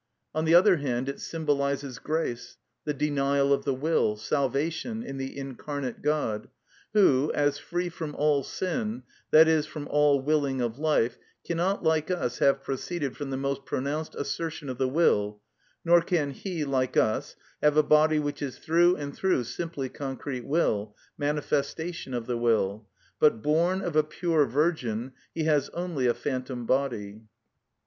On the other hand, it symbolises grace, the denial of the will, salvation, in the incarnate God, who, as free from all sin, that is, from all willing of life, cannot, like us, have proceeded from the most pronounced assertion of the will, nor can he, like us, have a body which is through and through simply concrete will, manifestation of the will; but born of a pure virgin, he has only a phantom body.